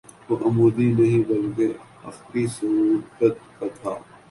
وہ عمودی نہیں بلکہ افقی صورت کا تھا